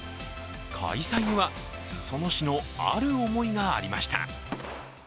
開催には裾野市のある思いがありました。